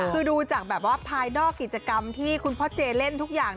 คือดูจากแบบว่าภายนอกกิจกรรมที่คุณพ่อเจเล่นทุกอย่าง